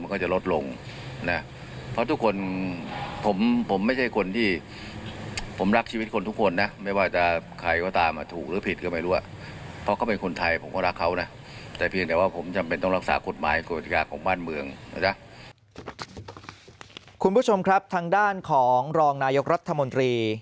คุณผู้ชมครับทางด้านของรองนายกรัฐมนตรี